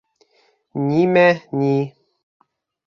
Нимә, ни